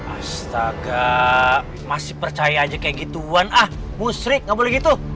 astaga masih percaya aja kayak gituan ah musrik nggak boleh gitu